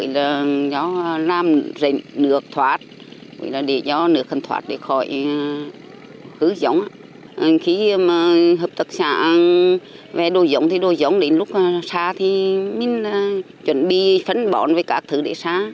lúc xa thì mình chuẩn bị phấn bọn với các thứ để xa